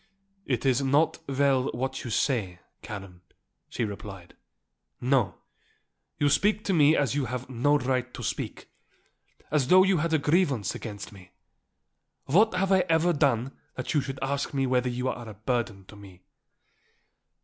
"It is not well what you say, Karen," she replied. "No. You speak to me as you have no right to speak, as though you had a grievance against me. What have I ever done that you should ask me whether you are a burden to me?"